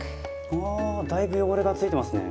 うわだいぶ汚れがついてますね。